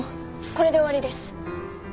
これで終わりです。